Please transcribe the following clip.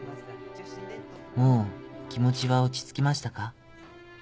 もう気持ちは落ち着きましたか？